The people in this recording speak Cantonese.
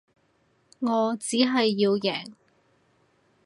我只係要贏